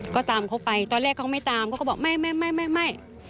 ก็ตามเขาไปตอนแรกเขาไม่ตามเขาก็บอกไม่ไม่